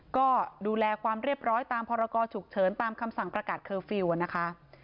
ก็ดูแลความเรียบร้อยตามพรกรฉุกเฉินตามคำสั่งประกาศเคอร์ฟิลล์นะคะ